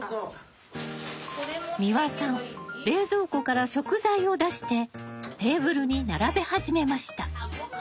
三和さん冷蔵庫から食材を出してテーブルに並べ始めました。